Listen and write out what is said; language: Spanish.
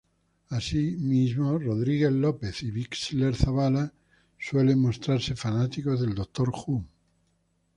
Así mismo, Rodríguez-López y Bixler-Zavala suelen mostrarse fanáticos de Doctor Who.